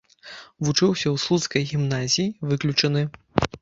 Вучыўся ў слуцкай гімназіі, выключаны.